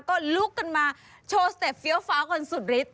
ก็ลุกกันมาโชว์สเต็ปฟิลต์ฟาวของสุธฤทธิ์